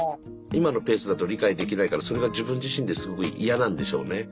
今のペースだと理解できないからそれが自分自身ですごい嫌なんでしょうね。